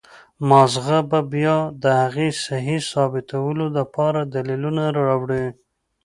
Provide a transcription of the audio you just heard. مازغه به بيا د هغې سهي ثابتولو د پاره دليلونه راوړي